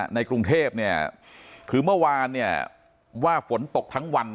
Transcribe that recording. ในกรุงเทพฯคือเมื่อวานว่าฝนตกทั้งวัน